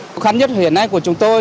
khó khăn nhất hiện nay của chúng tôi